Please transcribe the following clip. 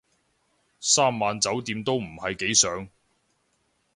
三晚酒店都唔係幾想